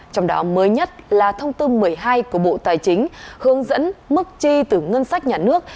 trong đó mới nhất là thông tư một mươi hai của bộ tài chính hướng dẫn mức chi từ ngân sách nhà nước